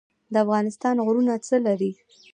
د افغانستان غرونه څه لري؟